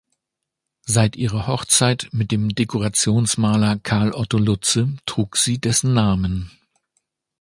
Seit Ihrer Hochzeit mit dem Dekorationsmaler Karl Otto Lutze trug Sie dessen Namen.